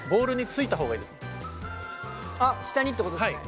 下にってことですね。